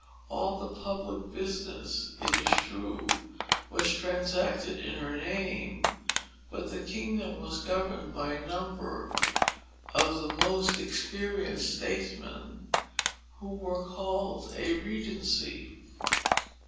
All the public business, it is true, was transacted in her name; but the kingdom was governed by a number of the most experienced statesmen, who were called a Regency.